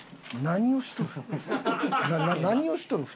何をしとるん？